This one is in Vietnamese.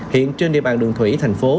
hiện trên địa bàn đường thủy thành phố